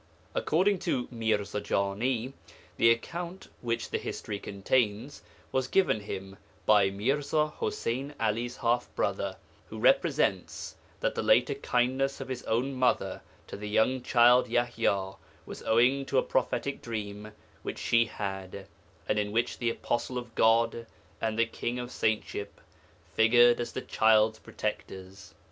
According to Mirza Jani, the account which the history contains was given him by Mirza Ḥuseyn 'Ali's half brother, who represents that the later kindness of his own mother to the young child Yaḥya was owing to a prophetic dream which she had, and in which the Apostle of God and the King of Saintship figured as the child's protectors.